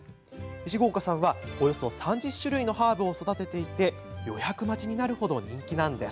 石郷岡さんは、およそ３０種類のハーブを育てていて予約待ちになるほど人気なんです。